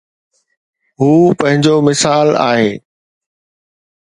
هو پنهنجو مثال آهي.